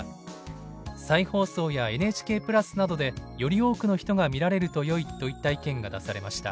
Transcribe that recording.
再放送やＮＨＫプラスなどでより多くの人が見られるとよい」といった意見が出されました。